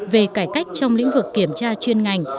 về cải cách trong lĩnh vực kiểm tra chuyên ngành